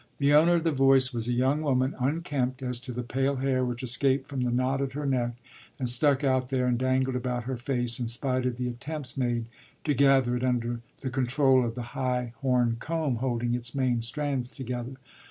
The owner of the voice was a young woman unkempt as to the pale hair which escaped from the knot at her neck, and stuck out there and dangled about her face in spite of the attempts made to gather it under the control of the high horn comb holding its main strands together.